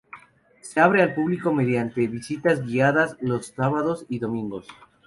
Se abre al público mediante visitas guiadas los sábados y domingos.